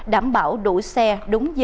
đảm bảo đủ xe đúng giờ đúng thời gian